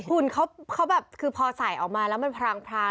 คุณเขาแบบคือพอใส่ออกมาแล้วมันพรางพราน